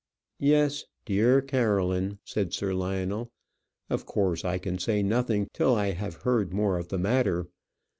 "Yes, dear Caroline," said Sir Lionel; "of course I can say nothing till I have heard more of the matter.